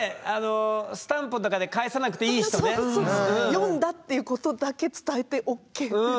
読んだっていうことだけ伝えてＯＫみたいな。